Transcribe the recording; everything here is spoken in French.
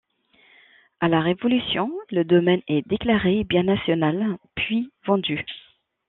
À la Révolution, le domaine est déclaré Bien national, puis vendu.